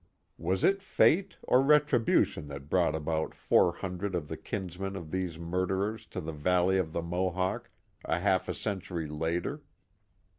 Was it fate or retribution that brought about four hundred of the kinsmen of these murderers to the valley of the Mo hawk a half a century later